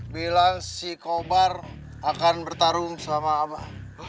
bila si kobar akan bertarung sama abah